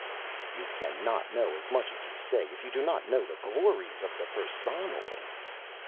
"You cannot know as much as you say if you do not know of the glories of the Perssonoj!"